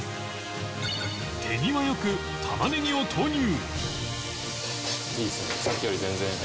手際良くタマネギを投入